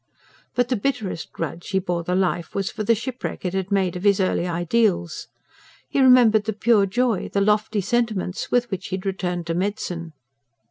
But the bitterest grudge he bore the life was for the shipwreck it had made of his early ideals. He remembered the pure joy, the lofty sentiments with which he had returned to medicine.